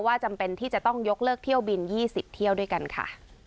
จำเป็นที่จะต้องยกเลิกเที่ยวบิน๒๐เที่ยวด้วยกันค่ะ